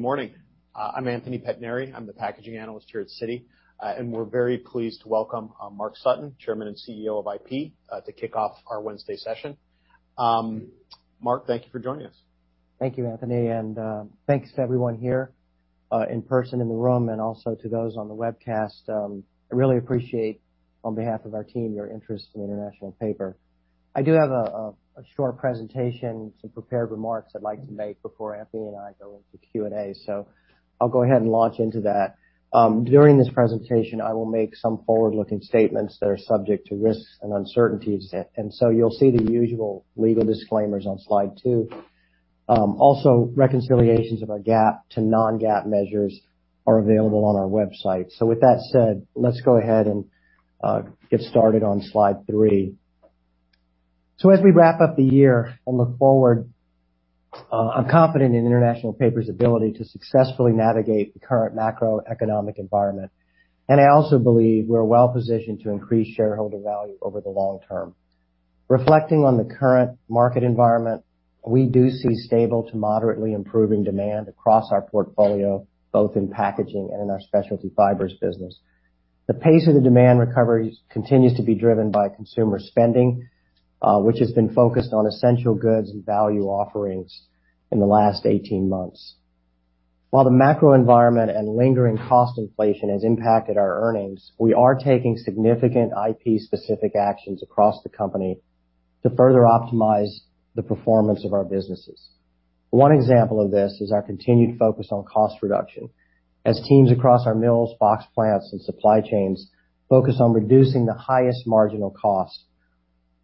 Good morning. I'm Anthony Pettinari. I'm the packaging analyst here at Citi, and we're very pleased to welcome Mark Sutton, Chairman and CEO of IP, to kick off our Wednesday session. Mark, thank you for joining us. Thank you, Anthony, and thanks to everyone here in person in the room, and also to those on the webcast. I really appreciate, on behalf of our team, your interest in International Paper. I do have a short presentation, some prepared remarks I'd like to make before Anthony and I go into Q&A. So I'll go ahead and launch into that. During this presentation, I will make some forward-looking statements that are subject to risks and uncertainties, and so you'll see the usual legal disclaimers on Slide two. Also, reconciliations of our GAAP to non-GAAP measures are available on our website. So with that said, let's go ahead and get started on Slide three. So as we wrap up the year and look forward, I'm confident in International Paper's ability to successfully navigate the current macroeconomic environment, and I also believe we're well positioned to increase shareholder value over the long term. Reflecting on the current market environment, we do see stable to moderately improving demand across our portfolio, both in packaging and in our specialty fibers business. The pace of the demand recovery continues to be driven by consumer spending, which has been focused on essential goods and value offerings in the last 18 months. While the macro environment and lingering cost inflation has impacted our earnings, we are taking significant IP-specific actions across the company to further optimize the performance of our businesses. One example of this is our continued focus on cost reduction. As teams across our mills, box plants, and supply chains focus on reducing the highest marginal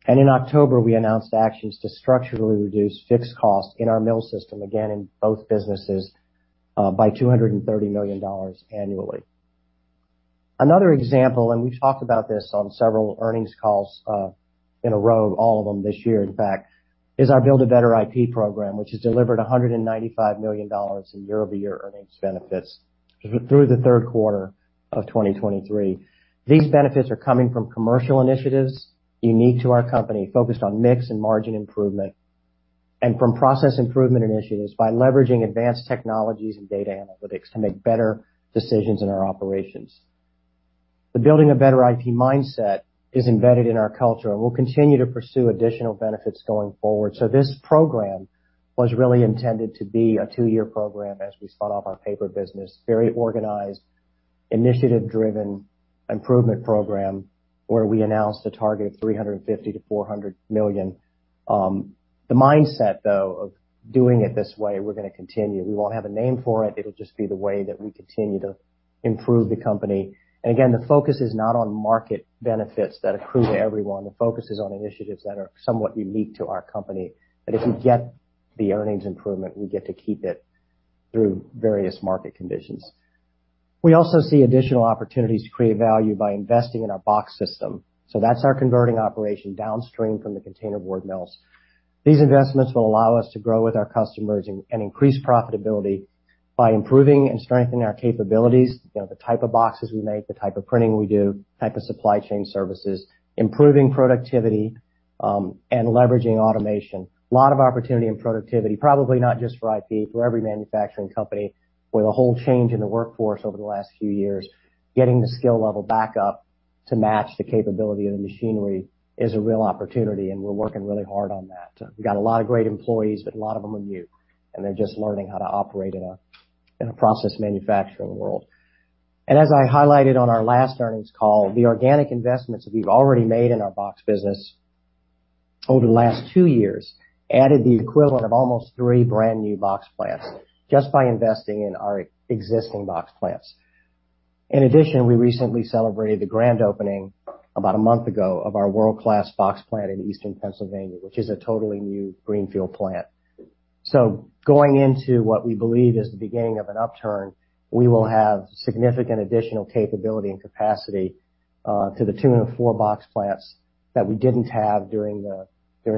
costs. In October, we announced actions to structurally reduce fixed costs in our mill system, again, in both businesses, by $230 million annually. Another example, and we've talked about this on several earnings calls, in a row, all of them this year, in fact, is our Build a Better IP program, which has delivered $195 million in year-over-year earnings benefits through the third quarter of 2023. These benefits are coming from commercial initiatives unique to our company, focused on mix and margin improvement, and from process improvement initiatives by leveraging advanced technologies and data analytics to make better decisions in our operations. The Building a Better IP mindset is embedded in our culture, and we'll continue to pursue additional benefits going forward. So this program was really intended to be a two-year program as we spun off our paper business, very organized, initiative-driven improvement program, where we announced a target of $350 million-$400 million. The mindset, though, of doing it this way, we're gonna continue. We won't have a name for it. It'll just be the way that we continue to improve the company. And again, the focus is not on market benefits that accrue to everyone. The focus is on initiatives that are somewhat unique to our company, that if we get the earnings improvement, we get to keep it through various market conditions. We also see additional opportunities to create value by investing in our box system, so that's our converting operation downstream from the containerboard mills. These investments will allow us to grow with our customers and increase profitability by improving and strengthening our capabilities, you know, the type of boxes we make, the type of printing we do, type of supply chain services, improving productivity, and leveraging automation. A lot of opportunity and productivity, probably not just for IP, for every manufacturing company, with a whole change in the workforce over the last few years. Getting the skill level back up to match the capability of the machinery is a real opportunity, and we're working really hard on that. We got a lot of great employees, but a lot of them are new, and they're just learning how to operate in a process manufacturing world. As I highlighted on our last earnings call, the organic investments that we've already made in our box business over the last two years added the equivalent of almost three brand-new box plants just by investing in our existing box plants. In addition, we recently celebrated the grand opening about a month ago of our world-class box plant in eastern Pennsylvania, which is a totally new greenfield plant. Going into what we believe is the beginning of an upturn, we will have significant additional capability and capacity, to the tune of four box plants that we didn't have during the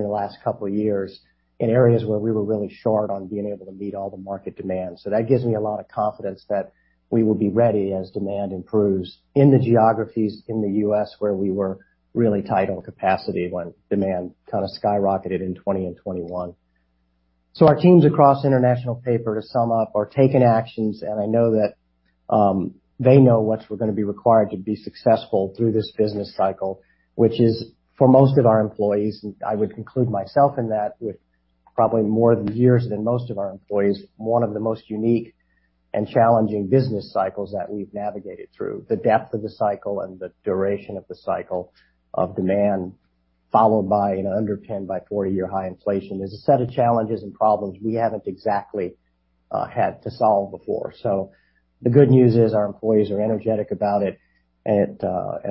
last couple of years, in areas where we were really short on being able to meet all the market demands. So that gives me a lot of confidence that we will be ready as demand improves in the geographies in the U.S., where we were really tight on capacity when demand kind of skyrocketed in 2020 and 2021. So our teams across International Paper, to sum up, are taking actions, and I know that they know what's going to be required to be successful through this business cycle. Which is, for most of our employees, I would conclude myself in that, with probably more years than most of our employees, one of the most unique and challenging business cycles that we've navigated through. The depth of the cycle and the duration of the cycle of demand, followed by an underpinned by 40-year high inflation, is a set of challenges and problems we haven't exactly had to solve before. So the good news is our employees are energetic about it and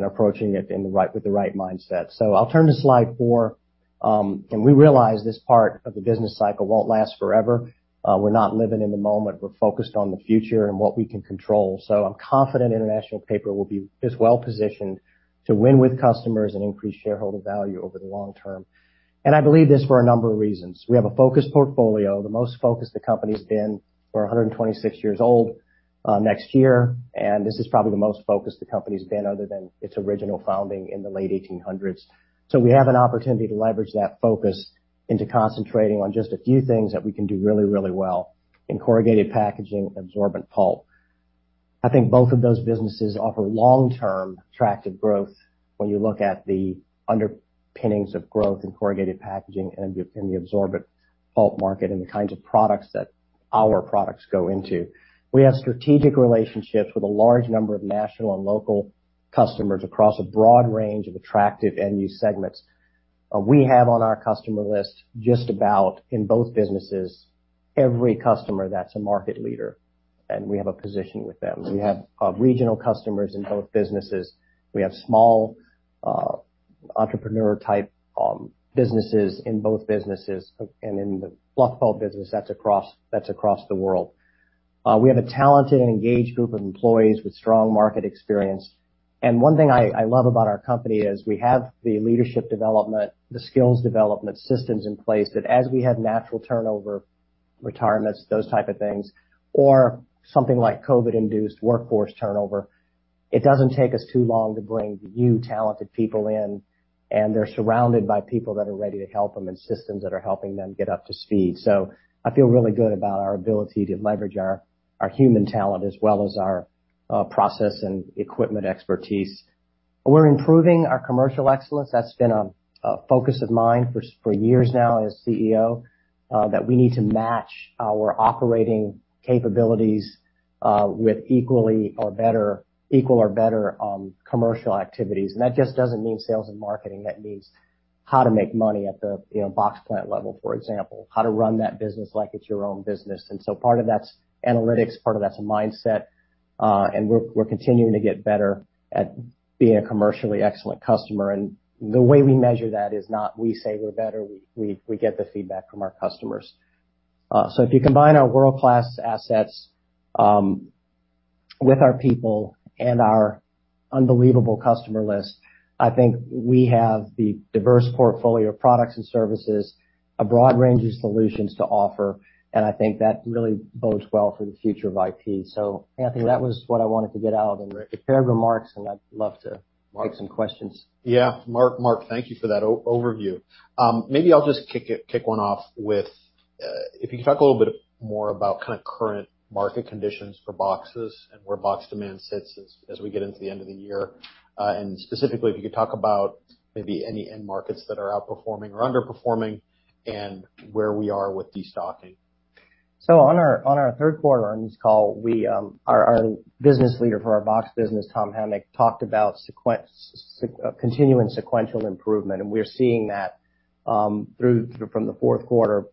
approaching it with the right mindset. So I'll turn to slide four. And we realize this part of the business cycle won't last forever. We're not living in the moment. We're focused on the future and what we can control. So I'm confident International Paper will be as well-positioned to win with customers and increase shareholder value over the long term. And I believe this for a number of reasons. We have a focused portfolio, the most focused the company's been. We're 126 years old next year, and this is probably the most focused the company's been other than its original founding in the late 1800s. So we have an opportunity to leverage that focus into concentrating on just a few things that we can do really, really well in corrugated packaging, absorbent pulp. I think both of those businesses offer long-term attractive growth when you look at the underpinnings of growth in corrugated packaging and in the absorbent pulp market, and the kinds of products that our products go into. We have strategic relationships with a large number of national and local customers across a broad range of attractive end-use segments. We have on our customer list, just about, in both businesses, every customer that's a market leader, and we have a position with them. We have regional customers in both businesses. We have small entrepreneur-type businesses in both businesses, and in the fluff pulp business, that's across the world. We have a talented and engaged group of employees with strong market experience. One thing I love about our company is we have the leadership development, the skills development systems in place, that as we have natural turnover, retirements, those type of things, or something like COVID-induced workforce turnover, it doesn't take us too long to bring new talented people in, and they're surrounded by people that are ready to help them, and systems that are helping them get up to speed. So I feel really good about our ability to leverage our human talent as well as our process and equipment expertise. We're improving our commercial excellence. That's been a focus of mine for years now as CEO, that we need to match our operating capabilities with equal or better commercial activities. And that just doesn't mean sales and marketing. That means how to make money at the, you know, box plant level, for example, how to run that business like it's your own business. And so part of that's analytics, part of that's a mindset, and we're continuing to get better at being a commercially excellent customer. And the way we measure that is not we say we're better, we get the feedback from our customers. So if you combine our world-class assets with our people and our unbelievable customer list, I think we have the diverse portfolio of products and services, a broad range of solutions to offer, and I think that really bodes well for the future of IP. So Anthony, that was what I wanted to get out in a pair of remarks, and I'd love to take some questions. Yeah. Mark, Mark, thank you for that overview. Maybe I'll just kick one off with, if you could talk a little bit more about kind of current market conditions for boxes and where box demand sits as we get into the end of the year. And specifically, if you could talk about maybe any end markets that are outperforming or underperforming and where we are with destocking. So on our third quarter earnings call, we, our business leader for our box business, Tom Hamic, talked about continuing sequential improvement, and we're seeing that through, from the fourth quarter,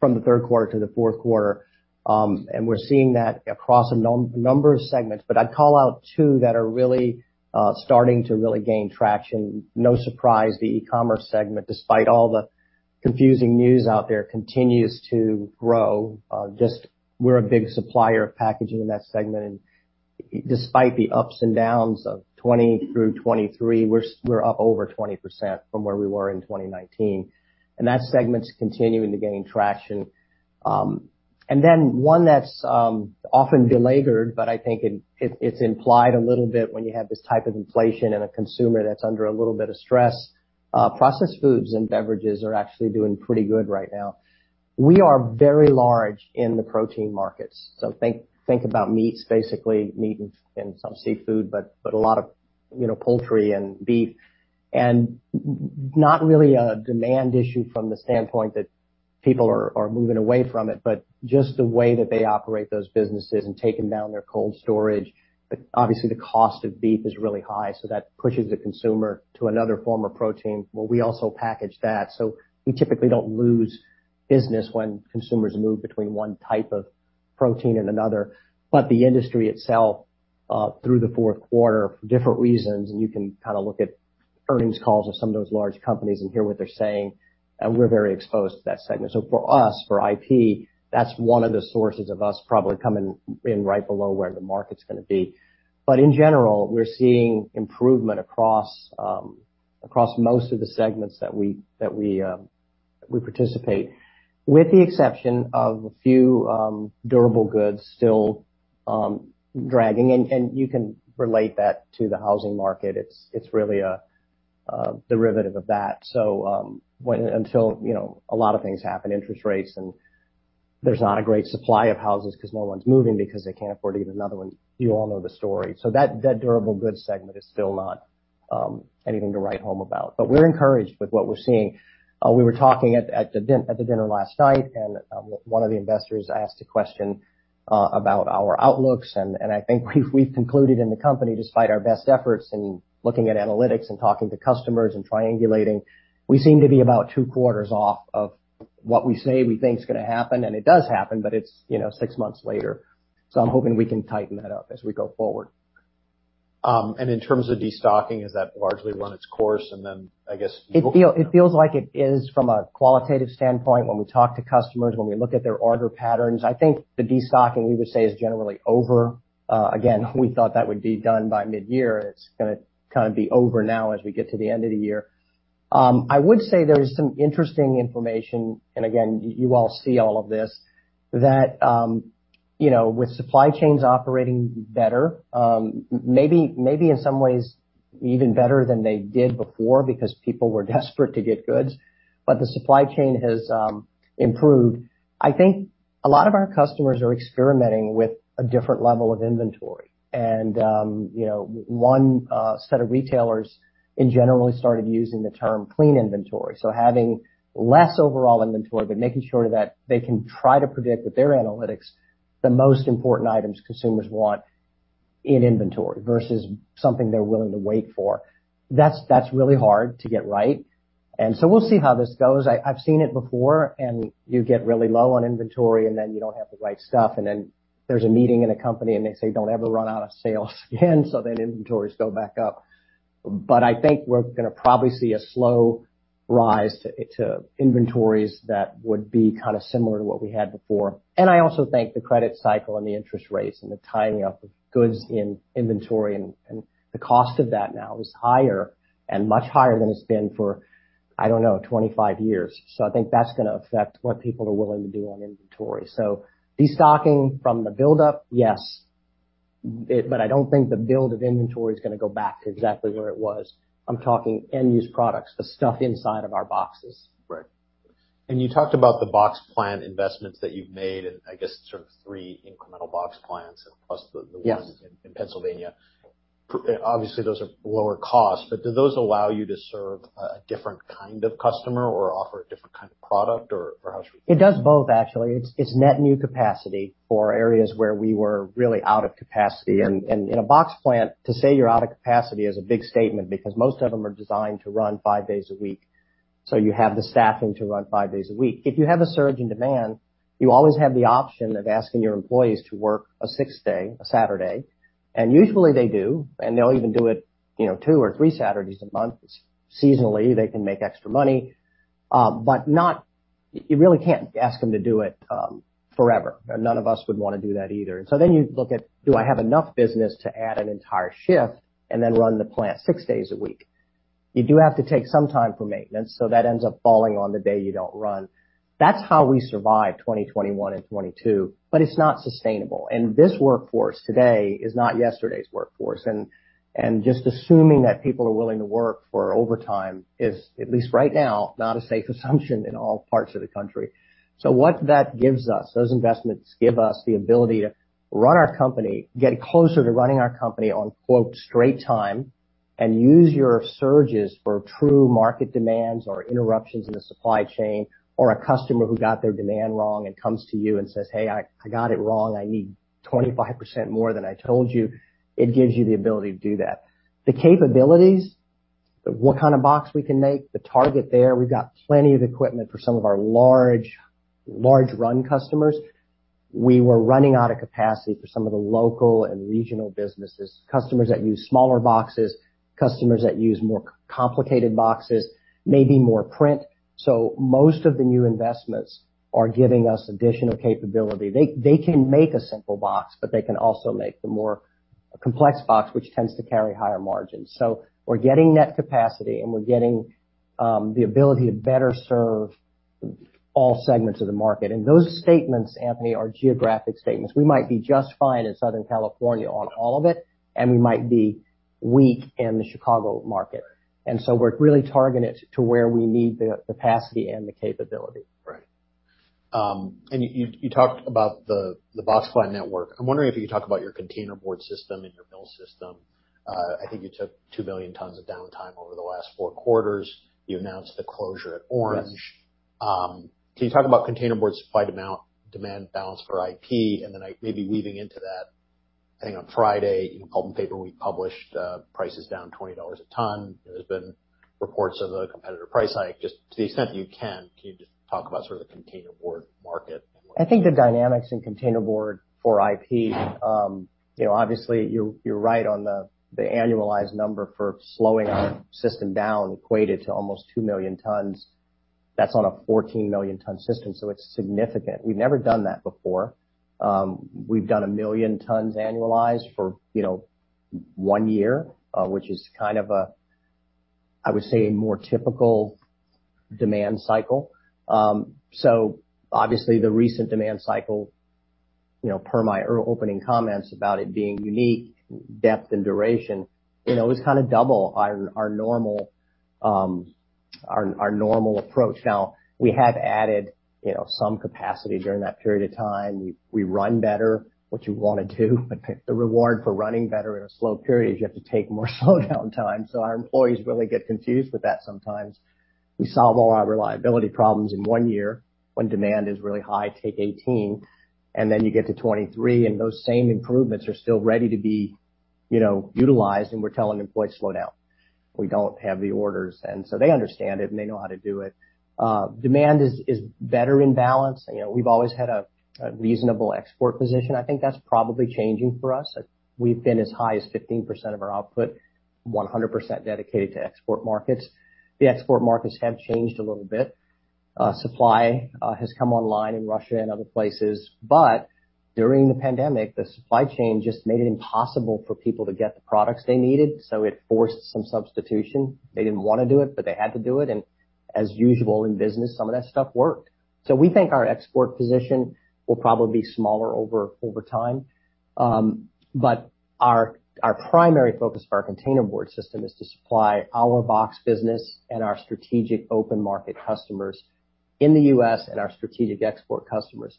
from the third quarter to the fourth quarter. And we're seeing that across a number of segments, but I'd call out two that are really starting to really gain traction. No surprise, the e-commerce segment, despite all the confusing news out there, continues to grow. Just we're a big supplier of packaging in that segment, and despite the ups and downs of 2020 through 2023, we're up over 20% from where we were in 2019. And that segment's continuing to gain traction. And then one that's often beleaguered, but I think it's implied a little bit when you have this type of inflation and a consumer that's under a little bit of stress, processed foods and beverages are actually doing pretty good right now. We are very large in the protein markets, so think about meats, basically meat and some seafood, but a lot of, you know, poultry and beef. And not really a demand issue from the standpoint that people are moving away from it, but just the way that they operate those businesses and taking down their cold storage. Obviously, the cost of beef is really high, so that pushes the consumer to another form of protein. Well, we also package that, so we typically don't lose business when consumers move between one type of protein and another. But the industry itself, through the fourth quarter, for different reasons, and you can kind of look at earnings calls of some of those large companies and hear what they're saying, we're very exposed to that segment. So for us, for IP, that's one of the sources of us probably coming in right below where the market's gonna be. But in general, we're seeing improvement across most of the segments that we participate, with the exception of a few durable goods still dragging. You can relate that to the housing market. It's really a derivative of that. So until, you know, a lot of things happen, interest rates, and there's not a great supply of houses because no one's moving because they can't afford to get another one. You all know the story. So that durable goods segment is still not anything to write home about. But we're encouraged with what we're seeing. We were talking at the dinner last night, and one of the investors asked a question about our outlooks, and I think we've concluded in the company, despite our best efforts in looking at analytics and talking to customers and triangulating, we seem to be about two quarters off of what we say we think is gonna happen, and it does happen, but it's, you know, six months later. So I'm hoping we can tighten that up as we go forward. And in terms of destocking, has that largely run its course? And then, I guess- It feels like it is from a qualitative standpoint, when we talk to customers, when we look at their order patterns. I think the destocking, we would say, is generally over. Again, we thought that would be done by mid-year, and it's gonna kind of be over now as we get to the end of the year. I would say there's some interesting information, and again, you all see all of this, that you know, with supply chains operating better, maybe, maybe in some ways even better than they did before because people were desperate to get goods, but the supply chain has improved. I think a lot of our customers are experimenting with a different level of inventory. You know, one set of retailers in general started using the term clean inventory. So having less overall inventory, but making sure that they can try to predict with their analytics the most important items consumers want in inventory versus something they're willing to wait for. That's, that's really hard to get right, and so we'll see how this goes. I, I've seen it before, and you get really low on inventory, and then you don't have the right stuff, and then there's a meeting in a company, and they say, "Don't ever run out of sales again," so then inventories go back up. But I think we're gonna probably see a slow rise to, to inventories that would be kind of similar to what we had before. And I also think the credit cycle and the interest rates and the tying up of goods in inventory and the cost of that now is higher and much higher than it's been for, I don't know, 25 years. So I think that's gonna affect what people are willing to do on inventory. So destocking from the buildup, yes. It, but I don't think the build of inventory is gonna go back to exactly where it was. I'm talking end use products, the stuff inside of our boxes. Right. And you talked about the box plant investments that you've made, and I guess sort of 3 incremental box plants, plus the- Yes. - ones in Pennsylvania. Obviously, those are lower cost, but do those allow you to serve a different kind of customer or offer a different kind of product, or, or how should we? It does both, actually. It's net new capacity for areas where we were really out of capacity. And in a box plant, to say you're out of capacity is a big statement because most of them are designed to run five days a week. So you have the staffing to run five days a week. If you have a surge in demand, you always have the option of asking your employees to work a sixth day, a Saturday, and usually they do, and they'll even do it, you know, two or three Saturdays a month. Seasonally, they can make extra money, but not... You really can't ask them to do it forever. None of us would wanna do that either. So then you look at, do I have enough business to add an entire shift and then run the plant six days a week? You do have to take some time for maintenance, so that ends up falling on the day you don't run. That's how we survived 2021 and 2022, but it's not sustainable. This workforce today is not yesterday's workforce, and just assuming that people are willing to work for overtime is, at least right now, not a safe assumption in all parts of the country. So what that gives us, those investments give us the ability to run our company, get closer to running our company on, quote, straight time, and use your surges for true market demands or interruptions in the supply chain, or a customer who got their demand wrong and comes to you and says, "Hey, I got it wrong. I need 25% more than I told you." It gives you the ability to do that. The capabilities, what kind of box we can make, the target there, we've got plenty of equipment for some of our large, large run customers. We were running out of capacity for some of the local and regional businesses, customers that use smaller boxes, customers that use more complicated boxes, maybe more print. So most of the new investments are giving us additional capability. They can make a simple box, but they can also make the more complex box, which tends to carry higher margins. So we're getting net capacity, and we're getting the ability to better serve all segments of the market. And those statements, Anthony, are geographic statements. We might be just fine in Southern California on all of it, and we might be weak in the Chicago market, and so we're really targeted to where we need the capacity and the capability. Right. And you, you talked about the, the box plant network. I'm wondering if you could talk about your containerboard system and your mill system. I think you took 2 million tons of downtime over the last 4 quarters. You announced the closure at Orange. Yes. Can you talk about containerboard supply demand, demand balance for IP? And then I may be weaving into that, I think on Friday, in Pulp and Paper, we published prices down $20 a ton. There's been reports of a competitor price hike. Just to the extent that you can, can you just talk about sort of the containerboard market? I think the dynamics in containerboard for IP, you know, obviously, you're right on the annualized number for slowing our system down equated to almost 2 million tons. That's on a 14 million ton system, so it's significant. We've never done that before. We've done 1 million tons annualized for, you know, one year, which is kind of a, I would say, a more typical demand cycle. So obviously, the recent demand cycle, you know, per my earlier opening comments about it being unique, depth and duration, you know, is kind of double our normal approach. Now, we have added, you know, some capacity during that period of time. We run better, which you want to do, but the reward for running better in a slow period is you have to take more slowdown time. So our employees really get confused with that sometimes. We solve all our reliability problems in one year, when demand is really high, take 2018, and then you get to 2023, and those same improvements are still ready to be, you know, utilized, and we're telling employees, "Slow down. We don't have the orders." And so they understand it, and they know how to do it. Demand is better in balance. You know, we've always had a reasonable export position. I think that's probably changing for us. We've been as high as 15% of our output, 100% dedicated to export markets. The export markets have changed a little bit. Supply has come online in Russia and other places. But during the pandemic, the supply chain just made it impossible for people to get the products they needed, so it forced some substitution. They didn't want to do it, but they had to do it, and as usual, in business, some of that stuff worked. So we think our export position will probably be smaller over time. But our primary focus for our containerboard system is to supply our box business and our strategic open market customers in the U.S. and our strategic export customers.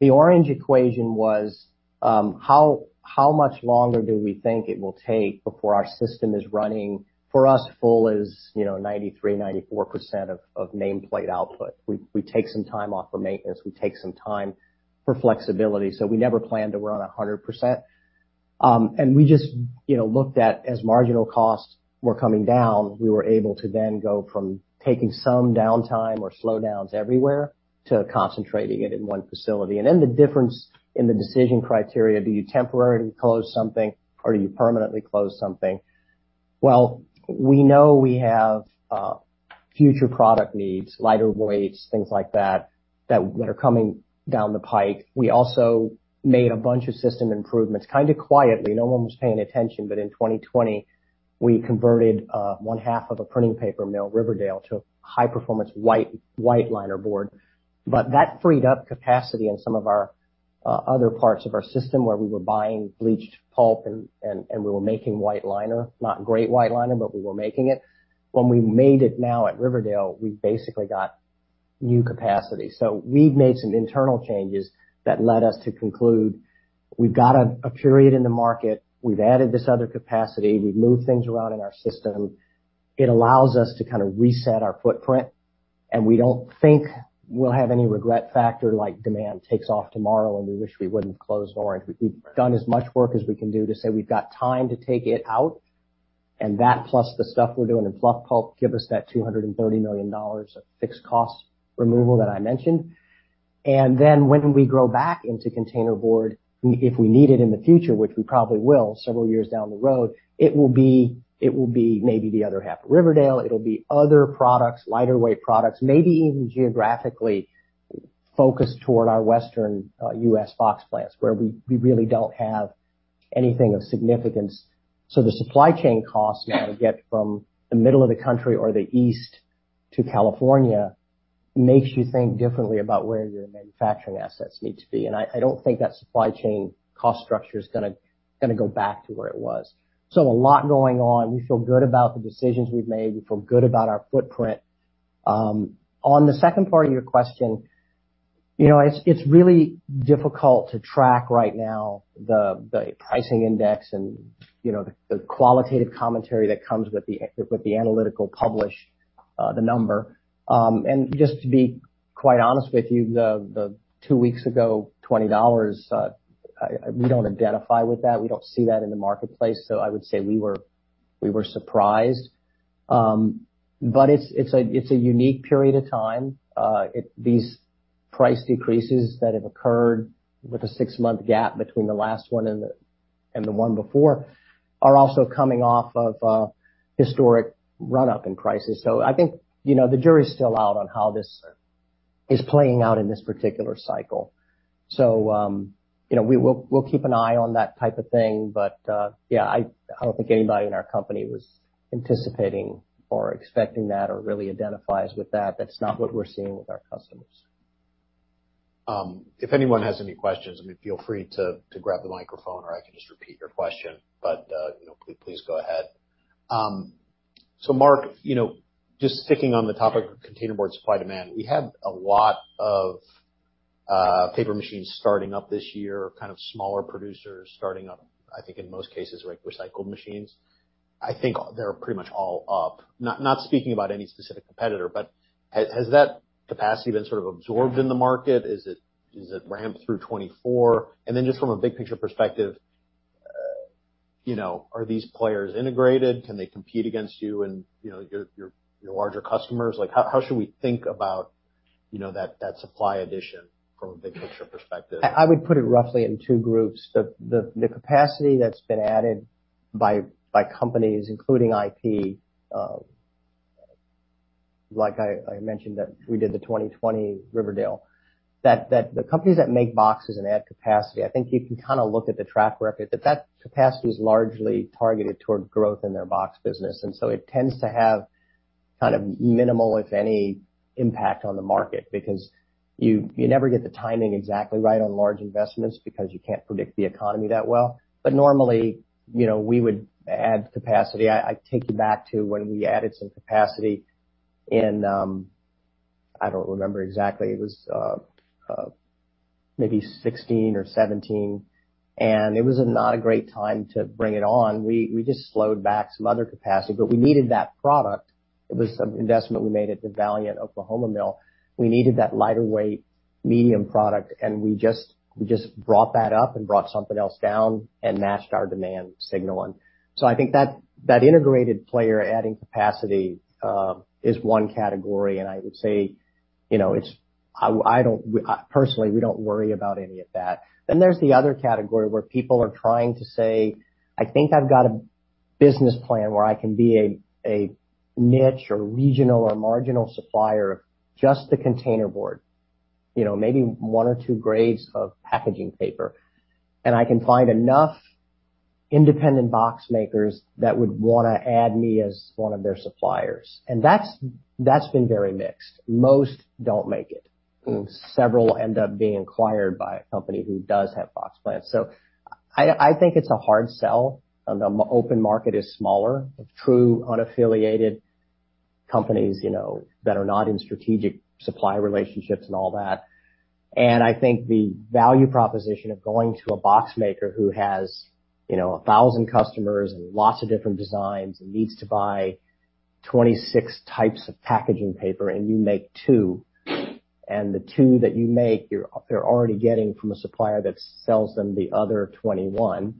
The Orange equation was how much longer do we think it will take before our system is running? For us, full is, you know, 93%-94% of nameplate output. We take some time off for maintenance. We take some time for flexibility, so we never plan to run at 100%. And we just, you know, looked at, as marginal costs were coming down, we were able to then go from taking some downtime or slowdowns everywhere to concentrating it in one facility. And then the difference in the decision criteria, do you temporarily close something or do you permanently close something? Well, we know we have future product needs, lighter weights, things like that, that are coming down the pike. We also made a bunch of system improvements, kind of quietly. No one was paying attention, but in 2020, we converted one half of a printing paper mill, Riverdale, to high-performance white linerboard. But that freed up capacity in some of our other parts of our system, where we were buying bleached pulp and we were making white liner. Not great white liner, but we were making it. When we made it now at Riverdale, we basically got new capacity. So we've made some internal changes that led us to conclude we've got a period in the market, we've added this other capacity, we've moved things around in our system. It allows us to kind of reset our footprint, and we don't think we'll have any regret factor like demand takes off tomorrow, and we wish we wouldn't have closed Orange. We've done as much work as we can do to say we've got time to take it out, and that, plus the stuff we're doing in fluff pulp, give us that $230 million of fixed cost removal that I mentioned. And then when we grow back into containerboard, if we need it in the future, which we probably will, several years down the road, it will be maybe the other half of Riverdale, it'll be other products, lighter weight products, maybe even geographically focused toward our Western U.S. box plants, where we really don't have anything of significance. So the supply chain costs you got to get from the middle of the country or the east to California makes you think differently about where your manufacturing assets need to be. And I don't think that supply chain cost structure is gonna go back to where it was. So a lot going on. We feel good about the decisions we've made. We feel good about our footprint. On the second part of your question, you know, it's really difficult to track right now, the pricing index and, you know, the qualitative commentary that comes with the analytical publish, the number. And just to be quite honest with you, the two weeks ago, $20, we don't identify with that. We don't see that in the marketplace. So I would say we were surprised. But it's a unique period of time. These price decreases that have occurred with a six-month gap between the last one and the one before are also coming off of historic run-up in prices. So I think, you know, the jury is still out on how this is playing out in this particular cycle. So, you know, we'll keep an eye on that type of thing, but, yeah, I don't think anybody in our company was anticipating or expecting that or really identifies with that. That's not what we're seeing with our customers. If anyone has any questions, I mean, feel free to grab the microphone, or I can just repeat your question, but you know, please go ahead. So Mark, you know, just sticking on the topic of containerboard supply, demand. We had a lot of paper machines starting up this year, kind of smaller producers starting up, I think in most cases, like recycled machines. I think they're pretty much all up. Not speaking about any specific competitor, but has that capacity been sort of absorbed in the market? Is it ramped through 2024? And then just from a big picture perspective, you know, are these players integrated? Can they compete against you and, you know, your larger customers? Like, how should we think about, you know, that supply addition from a big picture perspective? I would put it roughly in two groups. The capacity that's been added by companies, including IP, like I mentioned that we did the 2020 Riverdale. That the companies that make boxes and add capacity, I think you can kinda look at the track record, that capacity is largely targeted toward growth in their box business, and so it tends to have kind of minimal, if any, impact on the market, because you never get the timing exactly right on large investments because you can't predict the economy that well. But normally, you know, we would add capacity. I take you back to when we added some capacity in, I don't remember exactly. It was maybe 2016 or 2017, and it was not a great time to bring it on. We just slowed back some other capacity, but we needed that product. It was an investment we made at the Valliant, Oklahoma mill. We needed that lighter weight medium product, and we just brought that up and brought something else down and matched our demand signal on. So I think that integrated player adding capacity is one category, and I would say, you know, it's—I don't, personally, we don't worry about any of that. Then there's the other category where people are trying to say, "I think I've got a business plan where I can be a niche or regional or marginal supplier of just the containerboard, you know, maybe one or two grades of packaging paper. And I can find enough independent box makers that would want to add me as one of their suppliers. And that's, that's been very mixed. Most don't make it. Several end up being acquired by a company who does have box plants. So I, I think it's a hard sell, and the open market is smaller for true, unaffiliated companies, you know, that are not in strategic supply relationships and all that. And I think the value proposition of going to a box maker who has, you know, 1,000 customers and lots of different designs and needs to buy 26 types of packaging paper, and you make two, and the two that you make, they're, they're already getting from a supplier that sells them the other 21,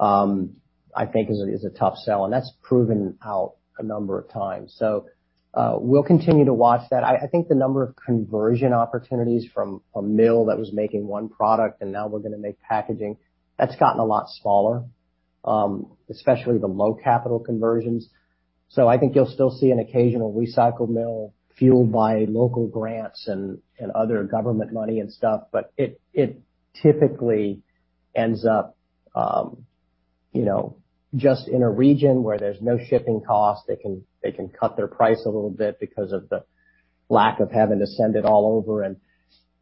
I think is a, is a tough sell, and that's proven out a number of times. So, we'll continue to watch that. I, I think the number of conversion opportunities from a mill that was making one product and now we're gonna make packaging, that's gotten a lot smaller, especially the low capital conversions. So I think you'll still see an occasional recycled mill fueled by local grants and, and other government money and stuff, but it, it typically ends up, you know, just in a region where there's no shipping cost. They can, they can cut their price a little bit because of the lack of having to send it all over and,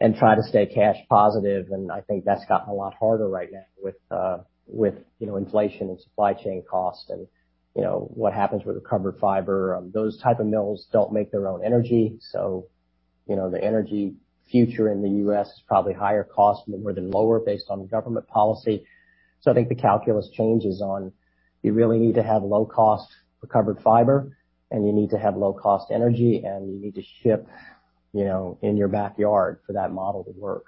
and try to stay cash positive. And I think that's gotten a lot harder right now with, with, you know, inflation and supply chain costs and, you know, what happens with recovered fiber. Those type of mills don't make their own energy, so, you know, the energy future in the U.S. is probably higher cost more than lower based on government policy. So I think the calculus changes on, you really need to have low-cost recovered fiber, and you need to have low-cost energy, and you need to ship, you know, in your backyard for that model to work.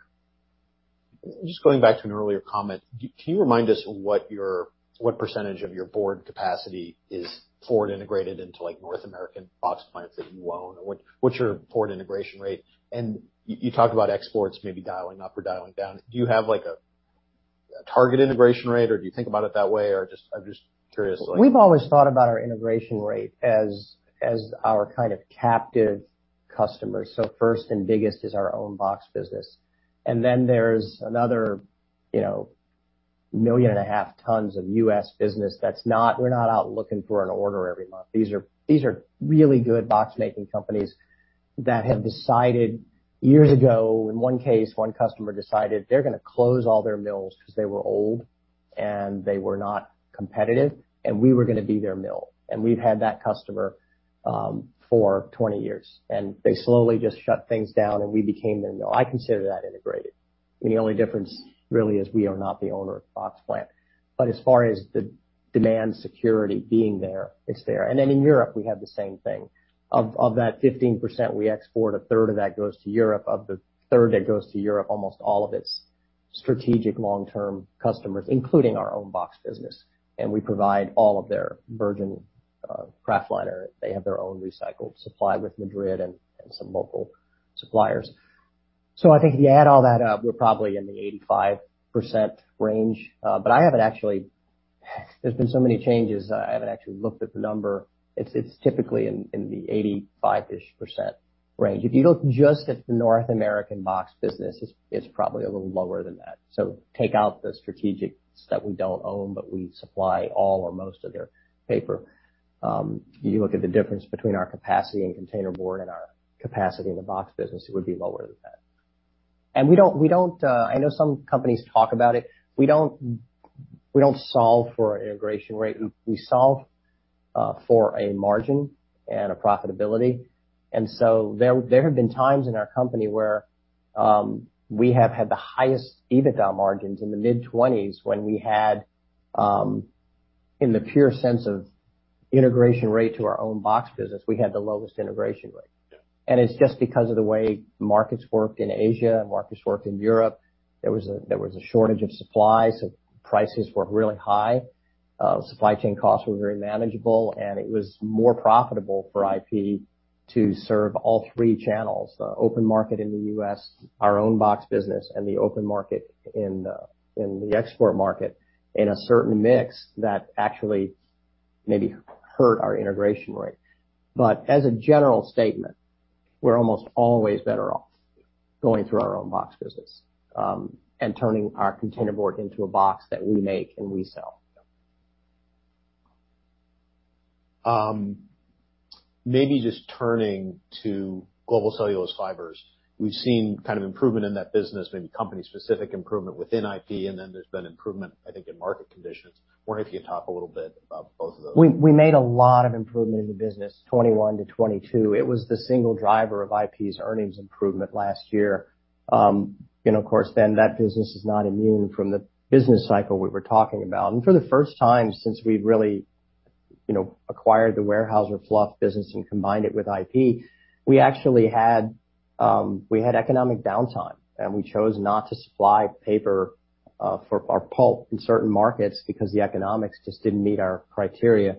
Just going back to an earlier comment, can you remind us what your—what percentage of your board capacity is forward integrated into, like, North American box plants that you own? Or what, what's your forward integration rate? And you talked about exports maybe dialing up or dialing down. Do you have, like, a target integration rate, or do you think about it that way, or just... I'm just curious. We've always thought about our integration rate as our kind of captive customers. So first and biggest is our own box business. And then there's another, you know, 1.5 million tons of U.S. business that's not, we're not out looking for an order every month. These are really good box-making companies that have decided years ago, in one case, one customer decided they're gonna close all their mills because they were old, and they were not competitive, and we were gonna be their mill. And we've had that customer for 20 years, and they slowly just shut things down, and we became their mill. I consider that integrated. I mean, the only difference really is we are not the owner of the box plant. But as far as the demand security being there, it's there. And then in Europe, we have the same thing. Of that 15% we export, a third of that goes to Europe. Of the third that goes to Europe, almost all of it's strategic long-term customers, including our own box business, and we provide all of their virgin Kraft liner. They have their own recycled supply with Madrid and some local suppliers. So I think if you add all that up, we're probably in the 85% range. But I haven't actually... There's been so many changes, I haven't actually looked at the number. It's typically in the 85-ish% range. If you look just at the North American box business, it's probably a little lower than that. So take out the strategics that we don't own, but we supply all or most of their paper. You look at the difference between our capacity and containerboard and our capacity in the box business, it would be lower than that. And we don't, we don't. I know some companies talk about it. We don't, we don't solve for integration rate. We, we solve for a margin and a profitability. And so there, there have been times in our company where we have had the highest EBITDA margins in the mid-20s when we had, in the pure sense of integration rate to our own box business, we had the lowest integration rate. Yeah. And it's just because of the way markets work in Asia and markets work in Europe. There was a shortage of supply, so prices were really high. Supply chain costs were very manageable, and it was more profitable for IP to serve all three channels, the open market in the U.S., our own box business, and the open market in the export market, in a certain mix that actually maybe hurt our integration rate. But as a general statement, we're almost always better off going through our own box business, and turning our containerboard into a box that we make and we sell. Maybe just turning to Global Cellulose Fibers. We've seen kind of improvement in that business, maybe company-specific improvement within IP, and then there's been improvement, I think, in market conditions. I wonder if you can talk a little bit about both of those. We made a lot of improvement in the business, 2021 to 2022. It was the single driver of IP's earnings improvement last year. And of course, then, that business is not immune from the business cycle we were talking about. And for the first time since we've really, you know, acquired the Weyerhaeuser fluff business and combined it with IP, we actually had, we had economic downtime, and we chose not to supply paper for our pulp in certain markets because the economics just didn't meet our criteria.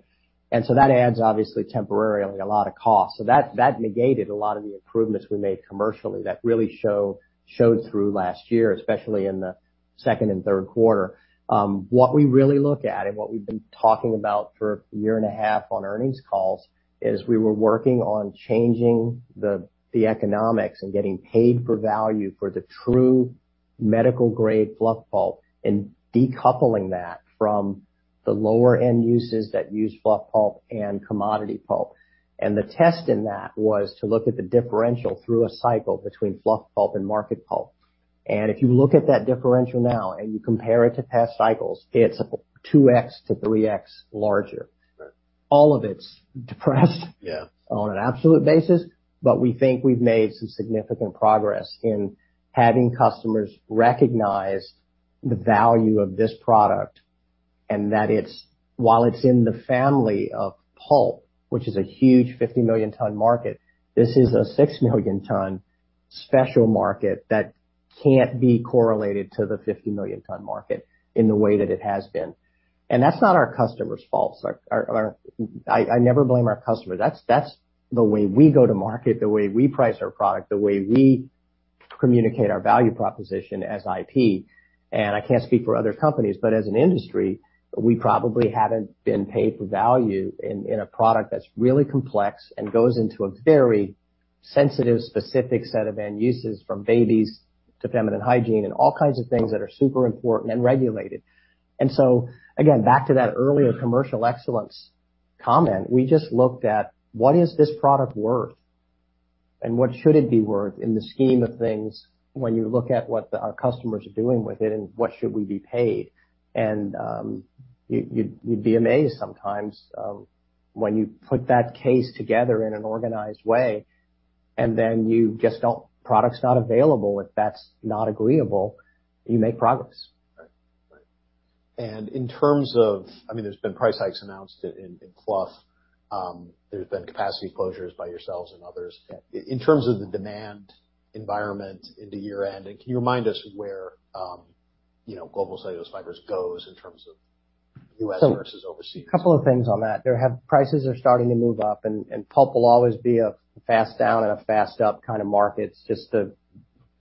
And so that adds obviously temporarily a lot of cost. So that, that negated a lot of the improvements we made commercially that really show, showed through last year, especially in the second and third quarter. What we really look at and what we've been talking about for a year and a half on earnings calls is we were working on changing the economics and getting paid for value for the true medical-grade fluff pulp, and decoupling that from the lower-end uses that use fluff pulp and commodity pulp. And the test in that was to look at the differential through a cycle between fluff pulp and market pulp. And if you look at that differential now, and you compare it to past cycles, it's 2x-3x larger. All of it's depressed. Yeah. On an absolute basis, but we think we've made some significant progress in having customers recognize the value of this product, and that it's—while it's in the family of pulp, which is a huge 50 million ton market, this is a 6 million ton special market that can't be correlated to the 50 million ton market in the way that it has been. And that's not our customer's fault. Our—I never blame our customer. That's the way we go to market, the way we price our product, the way we communicate our value proposition as IP. I can't speak for other companies, but as an industry, we probably haven't been paid for value in a product that's really complex and goes into a very sensitive, specific set of end uses, from babies to feminine hygiene and all kinds of things that are super important and regulated. So, again, back to that earlier commercial excellence comment, we just looked at what is this product worth? What should it be worth in the scheme of things when you look at what our customers are doing with it, and what should we be paid? You'd be amazed sometimes when you put that case together in an organized way, and then you just don't. Product's not available, if that's not agreeable, you make progress. Right. Right. In terms of... I mean, there's been price hikes announced in fluff. There's been capacity closures by yourselves and others. In terms of the demand environment into year-end, and can you remind us where, you know, Global Cellulose Fibers goes in terms of U.S. versus overseas? A couple of things on that. Prices are starting to move up, and pulp will always be a fast down and a fast up kind of market. It's just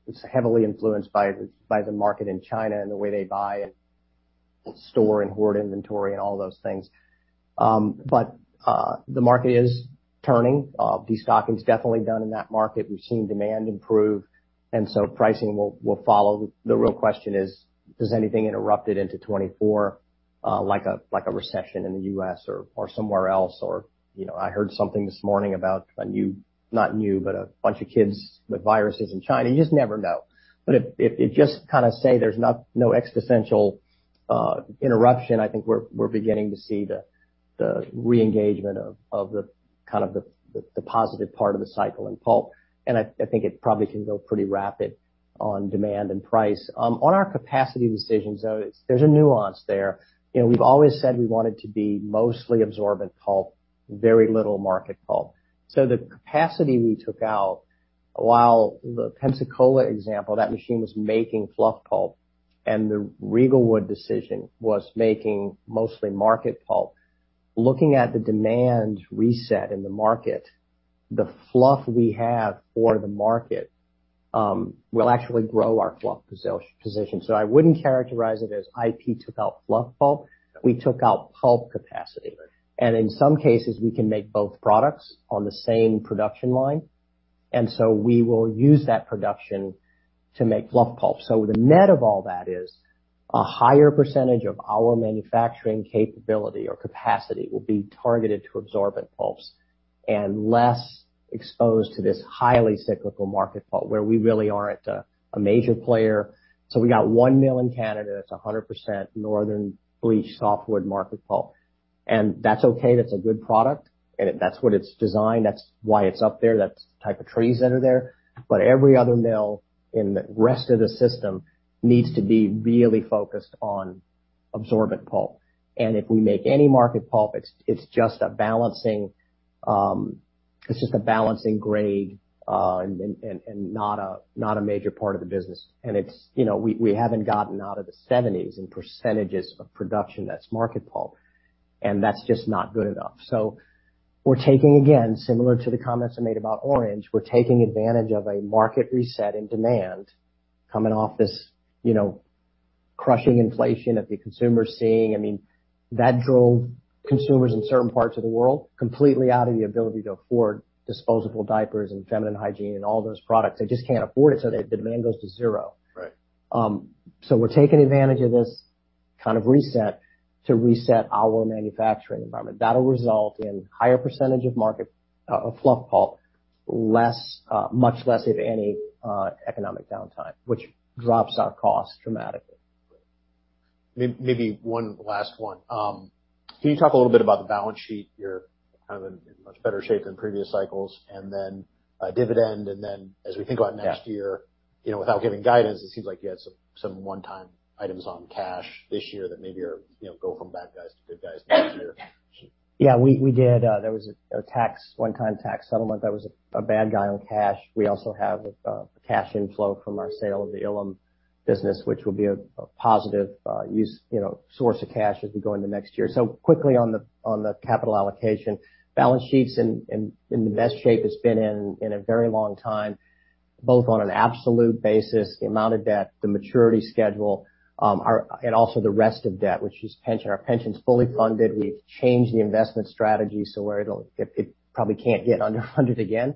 it's heavily influenced by the market in China and the way they buy and store and hoard inventory and all those things. But the market is turning. Destocking is definitely down in that market. We've seen demand improve, and so pricing will follow. The real question is, does anything interrupt it into 2024, like a recession in the U.S. or somewhere else? Or, you know, I heard something this morning about a new, not new, but a bunch of kids with viruses in China. You just never know. But if you just kind of say there's no existential interruption, I think we're beginning to see the reengagement of the positive part of the cycle in pulp. And I think it probably can go pretty rapid on demand and price. On our capacity decisions, though, there's a nuance there. You know, we've always said we wanted to be mostly absorbent pulp, very little market pulp. So the capacity we took out, while the Pensacola example, that machine was making fluff pulp, and the Riegelwood decision was making mostly market pulp. Looking at the demand reset in the market, the fluff we have for the market will actually grow our fluff position. So I wouldn't characterize it as IP took out fluff pulp. We took out pulp capacity. Right. In some cases, we can make both products on the same production line, and so we will use that production to make fluff pulp. So the net of all that is, a higher percentage of our manufacturing capability or capacity will be targeted to absorbent pulps and less exposed to this highly cyclical market pulp, where we really aren't a major player. So we got one mill in Canada that's 100% Northern Bleached Softwood market pulp. And that's okay, that's a good product, and that's what it's designed. That's why it's up there. That's the type of trees that are there. But every other mill in the rest of the system needs to be really focused on absorbent pulp. If we make any market pulp, it's just a balancing grade, and not a major part of the business. And it's, you know, we haven't gotten out of the 70s% in production that's market pulp, and that's just not good enough. So we're taking, again, similar to the comments I made about Orange, advantage of a market reset in demand coming off this, you know, crushing inflation that the consumer is seeing. I mean, that drove consumers in certain parts of the world completely out of the ability to afford disposable diapers and feminine hygiene and all those products. They just can't afford it, so the demand goes to zero. Right. So we're taking advantage of this kind of reset to reset our manufacturing environment. That'll result in higher percentage of market, of fluff pulp, less, much less, if any, economic downtime, which drops our cost dramatically. Maybe one last one. Can you talk a little bit about the balance sheet? You're kind of in much better shape than previous cycles, and then, dividend, and then as we think about next year, you know, without giving guidance, it seems like you had some one-time items on cash this year that maybe are, you know, go from bad guys to good guys next year. Yeah, we did. There was a one-time tax settlement that was a bad guy on cash. We also have a cash inflow from our sale of the Ilim business, which will be a positive use, you know, source of cash as we go into next year. So quickly on the capital allocation. Balance sheet's in the best shape it's been in a very long time, both on an absolute basis, the amount of debt, the maturity schedule, our and also the rest of debt, which is pension. Our pension's fully funded. We've changed the investment strategy, so it probably can't get underfunded again,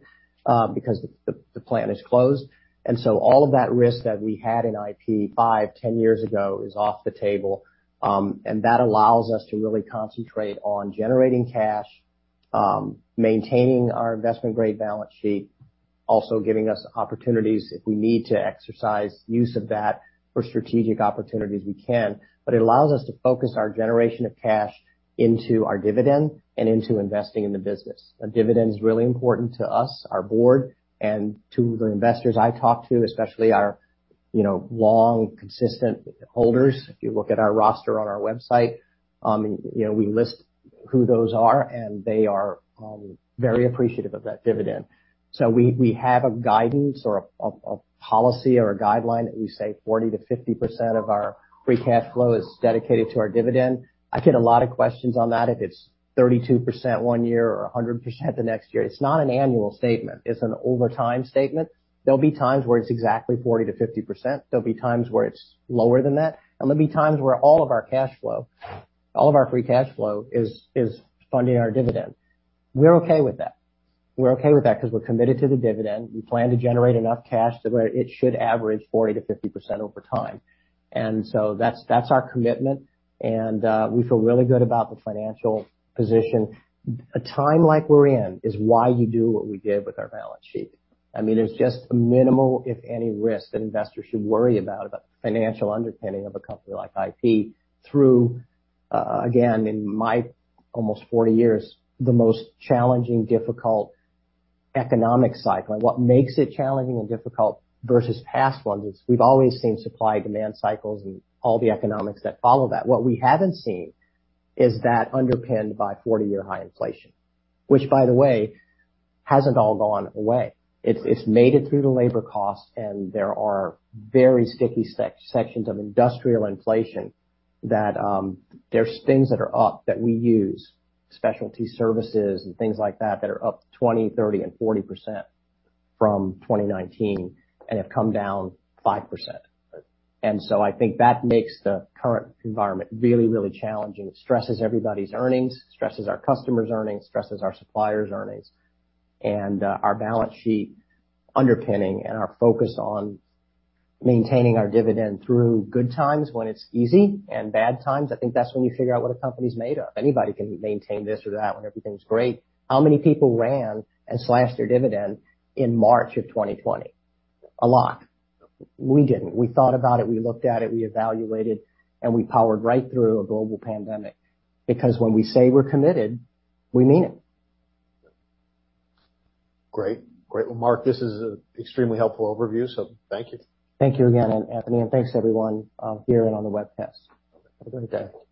because the plan is closed. And so all of that risk that we had in IP five, 10 years ago is off the table. And that allows us to really concentrate on generating cash, maintaining our investment-grade balance sheet, also giving us opportunities if we need to exercise use of that for strategic opportunities we can. But it allows us to focus our generation of cash into our dividend and into investing in the business. A dividend is really important to us, our board, and to the investors I talk to, especially our, you know, long, consistent holders. If you look at our roster on our website, you know, we list who those are, and they are very appreciative of that dividend. So we have a guidance or a policy or a guideline that we say 40%-50% of our free cash flow is dedicated to our dividend. I get a lot of questions on that. If it's 32% one year or 100% the next year, it's not an annual statement, it's an over time statement. There'll be times where it's exactly 40%-50%. There'll be times where it's lower than that, and there'll be times where all of our cash flow, all of our free cash flow is, is funding our dividend. We're okay with that. We're okay with that because we're committed to the dividend. We plan to generate enough cash to where it should average 40%-50% over time. And so that's, that's our commitment, and we feel really good about the financial position. A time like we're in is why you do what we did with our balance sheet. I mean, there's just minimal, if any, risk that investors should worry about, about the financial underpinning of a company like IP through, again, in my almost 40 years, the most challenging, difficult economic cycle. And what makes it challenging and difficult versus past ones is we've always seen supply-demand cycles and all the economics that follow that. What we haven't seen is that underpinned by 40-year high inflation, which, by the way, hasn't all gone away. It's, it's made it through the labor costs, and there are very sticky sections of industrial inflation that... There's things that are up that we use, specialty services and things like that, that are up 20%, 30%, and 40% from 2019 and have come down 5%. And so I think that makes the current environment really, really challenging. It stresses everybody's earnings, stresses our customers' earnings, stresses our suppliers' earnings, and our balance sheet underpinning and our focus on maintaining our dividend through good times when it's easy and bad times. I think that's when you figure out what a company's made of. Anybody can maintain this or that when everything's great. How many people ran and slashed their dividend in March of 2020? A lot. We didn't. We thought about it, we looked at it, we evaluated, and we powered right through a global pandemic, because when we say we're committed, we mean it. Great. Great. Well, Mark, this is an extremely helpful overview, so thank you. Thank you again, Anthony, and thanks everyone, here and on the webcast. Have a great day.